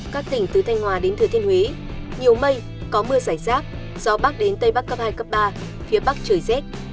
các tỉnh từ thanh hòa đến thừa thiên huế nhiều mây có mưa giải rác gió bắc đến tây bắc cấp hai cấp ba phía bắc trời rét